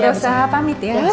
udah usah pamit ya